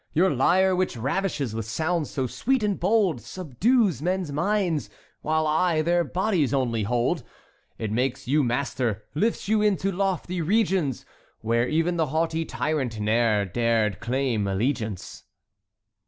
Your lyre, which ravishes with sounds so sweet and bold, Subdues men's minds, while I their bodies only hold! It makes you master, lifts you into lofty regions, Where even the haughty tyrant ne'er dared claim allegiance.